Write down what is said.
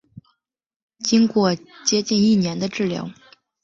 经过接近一年的治疗